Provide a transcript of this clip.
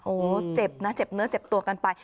โอ้โหเจ็บนะเจ็บเนื้อเจ็บตัวกันไป